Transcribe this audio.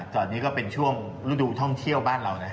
ตอนนี้ก็เป็นช่วงฤดูท่องเที่ยวบ้านเรานะ